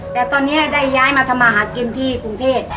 แต่ตอนนี้ได้ย้ายมาทำมาหากินที่กรุงเทพ